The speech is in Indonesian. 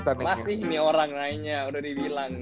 kelas nih nih orang nanya udah dibilang